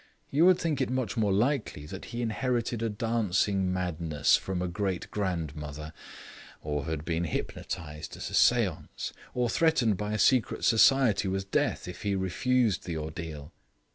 You would think it much more likely that he inherited a dancing madness from a great grandmother; or had been hypnotised at a seance; or threatened by a secret society with death if he refused the ordeal.